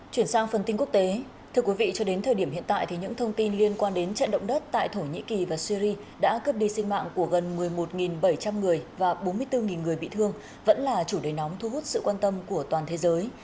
chuyển sang phần tin quốc tế thưa quý vị cho đến thời điểm hiện tại thì những thông tin liên quan đến trận động đất tại thổ nhĩ kỳ và syri đã cướp đi sinh mạng của gần một mươi một bảy trăm linh người và bốn mươi bốn người bị thương vẫn là chủ đề nóng thu hút sự quan tâm của toàn thế giới